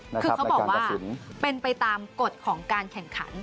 คือเขาบอกว่าเป็นไปตามกฎของการแข่งขัน